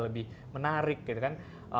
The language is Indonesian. lebih menarik gitu kan